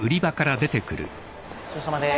お疲れさまです。